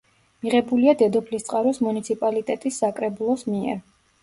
მიღებულია დედოფლისწყაროს მუნიციპალიტეტის საკრებულოს მიერ.